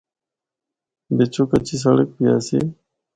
بِچّو کچی سڑک بھی آسی۔